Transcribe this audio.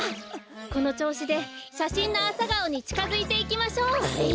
このちょうしでしゃしんのアサガオにちかづいていきましょう。